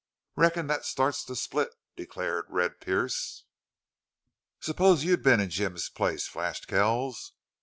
"Reckon thet starts the split!" declared Red Pearce. "Suppose you'd been in Jim's place!" flashed Kells.